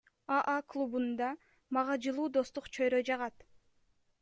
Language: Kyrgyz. АА клубунда мага жылуу достук чөйрө жагат.